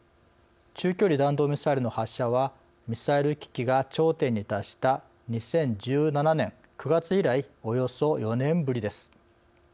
中距離弾道ミサイルの発射はミサイル危機が頂点に達した２０１７年９月以来およそ４年ぶりです。